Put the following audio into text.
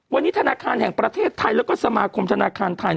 วันนี้ธนาคารแห่งประเทศไทยแล้วก็สมาคมธนาคารไทย